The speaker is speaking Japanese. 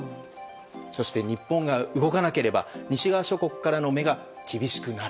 そして、日本が動かなければ西側諸国からの目が厳しくなる。